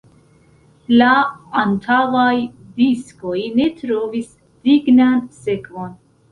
La antaŭaj diskoj ne trovis dignan sekvon.